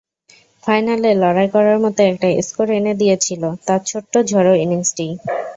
ফাইনালে লড়াই করার মতো একটা স্কোর এনে দিয়েছিল তাঁর ছোট্ট ঝোড়ো ইনিংসটিই।